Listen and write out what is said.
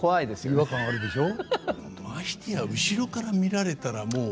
ましてや後ろから見られたらもう。